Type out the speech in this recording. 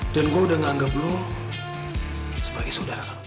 dan gue udah gak anggap lo sebagai saudara kalau gue